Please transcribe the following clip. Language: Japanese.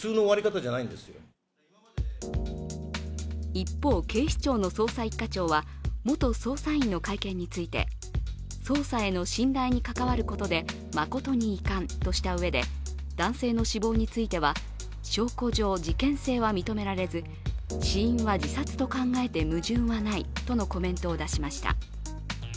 一方、警視庁の捜査一課長は、元捜査員の会見について、捜査への信頼に関わることで誠に遺憾としたうえで男性の死亡については証拠上、事件性は認められず死因は自殺と考えて矛盾はないとのコメントを出しました。